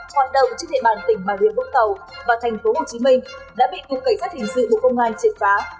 hoạt động trên địa bàn tỉnh bà nguyên vũng tàu và thành phố hồ chí minh đã bị cục cảnh sát hình sự bộ công an triệt phá